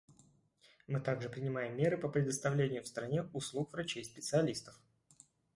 Мы также принимаем меры по предоставлению в стране услуг врачей-специалистов.